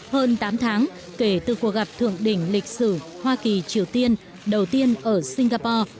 hơn tám tháng kể từ cuộc gặp thượng đỉnh lịch sử hoa kỳ triều tiên đầu tiên ở singapore